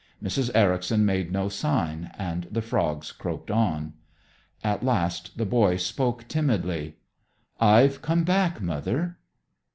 Mrs. Ericson made no sign, and the frogs croaked on. At last the boy spoke timidly. "I've come back, Mother."